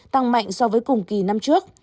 tăng mạnh so với cùng kỳ năm trước